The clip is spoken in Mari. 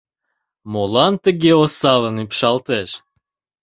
— Молан тыге осалын ӱпшалтеш?